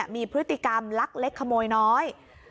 มีพฤติกรรมลักเล็กขโมยน้อย